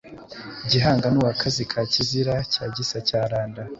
"Gihanga ni uwa Kazi ka Kizira cya Gisa cya Randa